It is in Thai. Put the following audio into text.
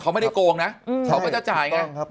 เขาไม่ได้โกงนะเขาก็จะจ่ายไง